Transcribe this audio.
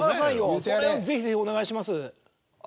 それをぜひぜひお願いします。